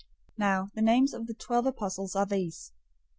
010:002 Now the names of the twelve apostles are these.